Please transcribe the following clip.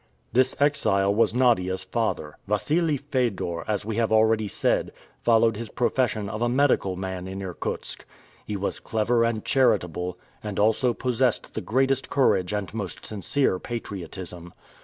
This exile was Nadia's father. Wassili Fedor, as we have already said, followed his profession of a medical man in Irkutsk. He was clever and charitable, and also possessed the greatest courage and most sincere patriotism.